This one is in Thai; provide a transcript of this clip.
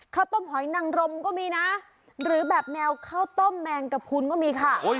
ข้าวต้มหอยนังรมก็มีนะหรือแบบแนวข้าวต้มแมงกระพุนก็มีค่ะ